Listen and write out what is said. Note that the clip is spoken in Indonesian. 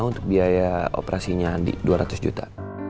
untuk biaya operasinya di dua ratus juta